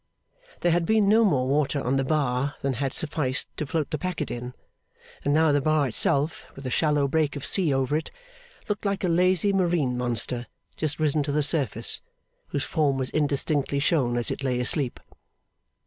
There had been no more water on the bar than had sufficed to float the packet in; and now the bar itself, with a shallow break of sea over it, looked like a lazy marine monster just risen to the surface, whose form was indistinctly shown as it lay asleep.